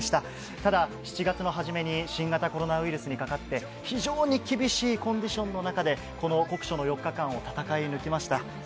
ただ７月のはじめに新型コロナウイルスにかかって非常に厳しいコンディション中で酷暑の４日間を戦い抜いてきました。